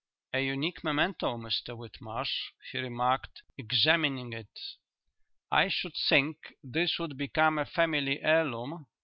"A unique memento, Mr Whitmarsh," he remarked, examining it. "I should think this would become a family heirloom."